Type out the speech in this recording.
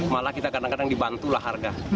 malah kita kadang kadang dibantulah harga